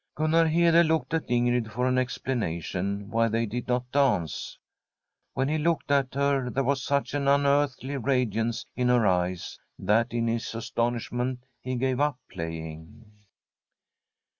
Gunnar Hede looked at Ingrid for an explana tion why they did not dance. When he looked at her there was such an unearthly radiance in her eyes that in his astonishment he gave up playing.